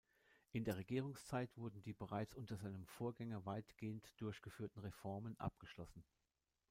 In der Regierungszeit wurden die bereits unter seinem Vorgänger weitgehend durchgeführten Reformen abgeschlossen.